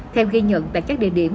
theo ghi nhận tại các địa điểm